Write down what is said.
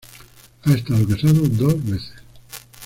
Ha estado casada dos veces.